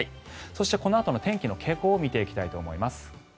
そして、このあとの天気の傾向を見ていきます。